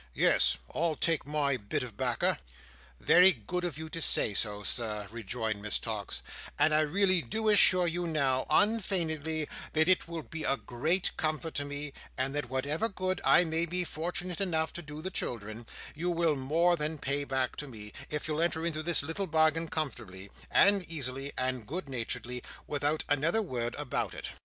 "Yes; I'll take my bit of backer." "Very good of you to say so, Sir," rejoined Miss Tox, "and I really do assure you now, unfeignedly, that it will be a great comfort to me, and that whatever good I may be fortunate enough to do the children, you will more than pay back to me, if you'll enter into this little bargain comfortably, and easily, and good naturedly, without another word about it."